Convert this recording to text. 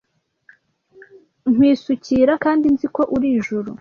Nkwisukira kandi nzi ko uri ijuru